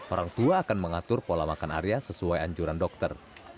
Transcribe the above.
orang tua akan mengatur pola makan area sesuai anjuran dokter